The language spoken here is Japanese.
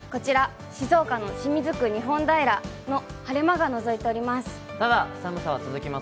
こちら静岡の清水区日本平晴れ間がのぞいています。